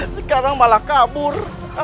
sekarang malah kabur